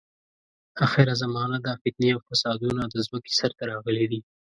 اخره زمانه ده، فتنې او فسادونه د ځمکې سر ته راغلي دي.